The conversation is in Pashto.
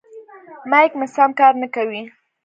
مایک مې سم کار نه کوي.